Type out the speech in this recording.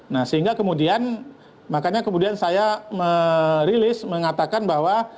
nah sehingga kemudian makanya kemudian saya merilis mengatakan bahwa